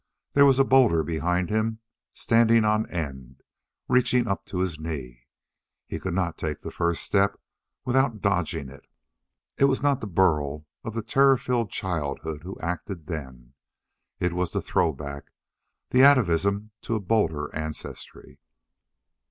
There was a boulder behind him, standing on end, reaching up to his knee. He could not take the first step without dodging it. It was not the Burl of the terror filled childhood who acted then. It was the throw back, the atavism to a bolder ancestry.